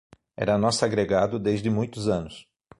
Era nosso agregado desde muitos anos